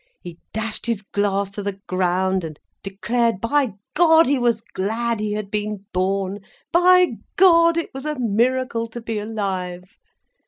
He dashed his glass to the ground, and declared, by God, he was glad he had been born, by God, it was a miracle to be alive.